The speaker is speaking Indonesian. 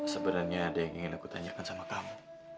sebenarnya ada yang ingin aku tanyakan sama kamu